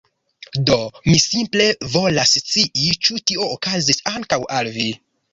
Do mi simple volas scii ĉu tio okazis ankaŭ al vi.